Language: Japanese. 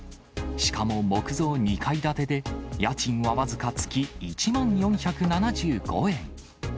しかも木造２階建てで、家賃は僅か月１万４７５円。